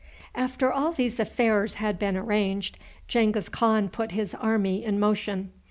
After all these affairs had been arranged, Genghis Khan put his army in motion.